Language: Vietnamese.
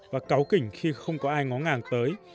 và cáu kỉnh khi không có ai ngó ngàng tới